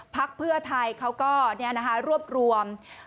พักเพื่อไทยเขาก็รวบรวม